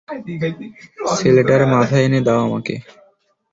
ছেলেটার মাথা এনে দাও আমাকে!